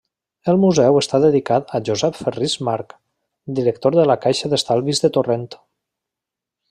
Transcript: El museu està dedicat a Josep Ferrís March, director de la Caixa d'Estalvis de Torrent.